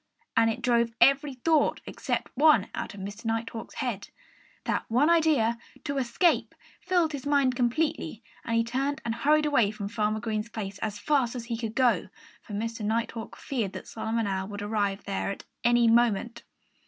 And it drove every thought except one out of Mr. Nighthawk's head. That one idea to escape filled his mind completely. And he turned and hurried away from Farmer Green's place as fast as he could go; for Mr. Nighthawk feared that Solomon Owl would arrive there at any moment.